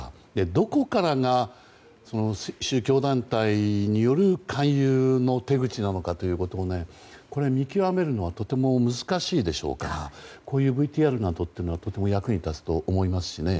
どこからが宗教団体による勧誘の手口なのかを見極めるのはとても難しいでしょうからこういうＶＴＲなどはとても役に立つと思いますしね。